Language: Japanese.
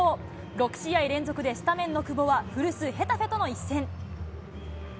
６試合連続でスタメンの久保は、古巣、ヘタフェとの一戦。